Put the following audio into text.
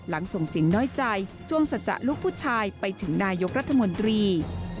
ส่งเสียงน้อยใจจวงสัจจะลูกผู้ชายไปถึงนายกรัฐมนตรี